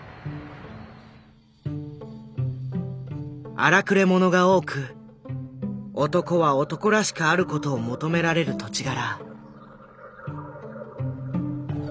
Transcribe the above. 荒くれ者が多く男は男らしくある事を求められる土地柄。